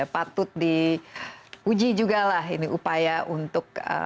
patut diuji juga lah ini upaya untuk